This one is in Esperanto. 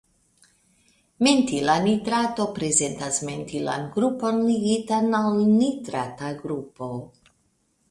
Mentila nitrato prezentas mentilan grupon ligitan al nitrata grupo.